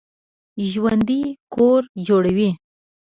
ژوندي کور جوړوي